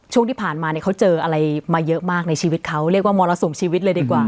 ช่วงที่ผ่านมาเนี่ยเขาเจออะไรมาเยอะมากในชีวิตเขาเรียกว่ามรสุมชีวิตเลยดีกว่า